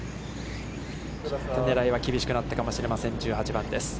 ちょっと狙いは厳しくなったかもしれません１８番です。